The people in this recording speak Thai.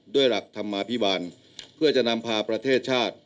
ด้วยหลักธรรมาภิบาลเพื่อจะนำพาประเทศชาติ